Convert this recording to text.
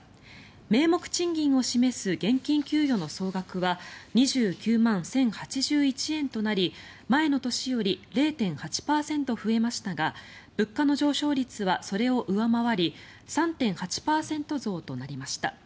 名目賃金を示す現金給与の総額は２９万１０８１円となり前の年より０．８％増えましたが物価の上昇率はそれを上回り３．８％増となりました。